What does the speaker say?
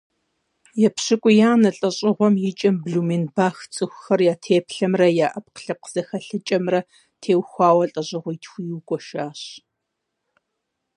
Епщыкӏуиянэ лӀэщӀыгъуэм и кӀэм Блуменбах цӀыхухэр я теплъэмрэ я Ӏэпкълъэпкъ зэхэлъыкӀэмрэ теухуауэ лӀэужьыгъуитхуу игуэшащ.